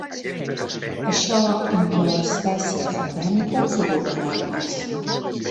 Això inclou espècies endèmiques i vulnerables.